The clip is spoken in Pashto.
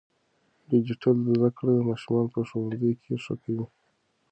ډیجیټل زده کړه ماشومان په ښوونځي کې ښه کوي.